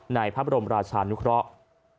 ในพระบรมราชานุเคราะห์